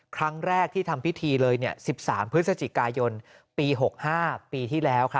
ครั้งแรกที่ทำพิธีเลย๑๓พฤศจิกายนปี๖๕ปีที่แล้ว